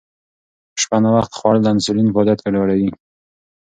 په شپه ناوخته خوړل د انسولین فعالیت ګډوډوي.